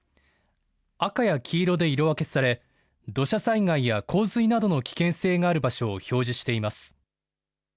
赤や黄色で色分けされ土砂災害や洪水などの危険性がある場所を表示しています。